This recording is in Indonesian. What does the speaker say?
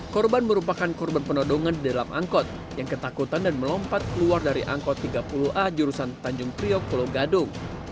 korban merupakan korban penodongan di dalam angkot yang ketakutan dan melompat keluar dari angkot tiga puluh a jurusan tanjung priok pulau gadung